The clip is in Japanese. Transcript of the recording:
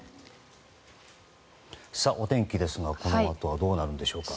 お天気ですがこのあとはどうなるんでしょうか。